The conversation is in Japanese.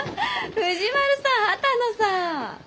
藤丸さん波多野さん！